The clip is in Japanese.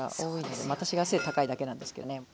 私が背高いだけなんですけどね。